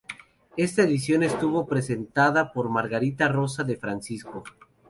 Esta edición estuvo presentada por Margarita Rosa de Francisco.